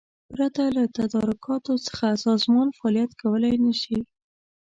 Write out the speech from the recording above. پرته له تدارکاتو څخه سازمان فعالیت کولای نشي.